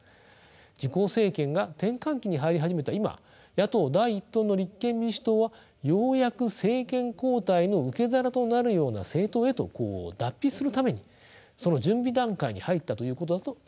自公政権が転換期に入り始めた今野党第一党の立憲民主党はようやく政権交代の受け皿となるような政党へと脱皮するためにその準備段階に入ったということだと思います。